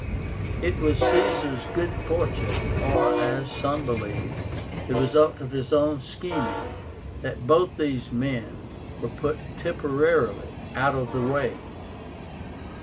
It was Caesar's good fortune, or, as some believe, the result of his own scheming, that both these men were put temporarily out of the way.